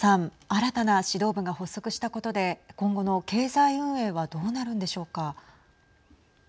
新たな指導部が発足したことで今後の経済運営はどうなるんでしょうか。